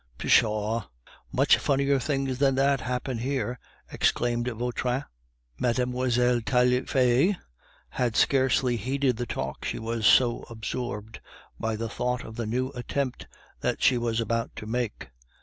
"Pshaw! much funnier things than that happen here!" exclaimed Vautrin. Mlle. Taillefer had scarcely heeded the talk, she was so absorbed by the thought of the new attempt that she was about to make.